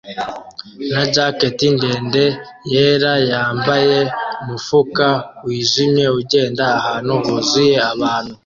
na jacket ndende yera yambaye umufuka wijimye ugenda ahantu huzuye abantu